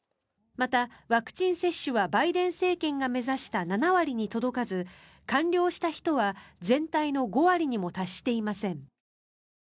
また、ワクチン接種はバイデン政権が目指した７割に届かず、完了した人は全体の５割にも達していません。